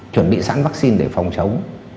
chuẩn bị sẵn vaccine để phòng chống